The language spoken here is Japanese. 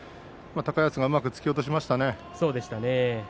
高安がうまく突き落としましたね。